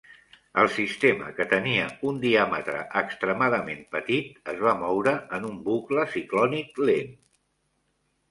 El sistema, que tenia un "diàmetre extremadament petit", es va moure en un bucle ciclònic lent.